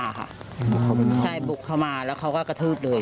ใช่ปลุกเข้ามาแล้วเขาก็กระทืบเลยใช่ปลุกเข้ามาแล้วเขาก็กระทืบเลย